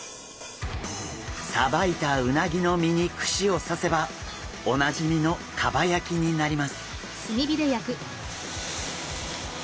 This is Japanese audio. さばいたうなぎの身に串を刺せばおなじみの蒲焼きになります。